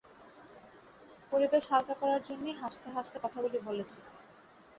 পরিবেশ হালকা করার জন্যেই হাসতে-হাসতে কথাগুলি বলেছি।